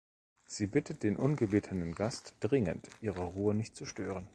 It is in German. Sie bittet den ungebetenen Gast dringend, ihre Ruhe nicht zu stören.